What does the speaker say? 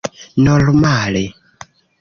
normale